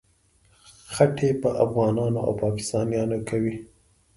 خټې په افغانانو او پاکستانیانو کوي.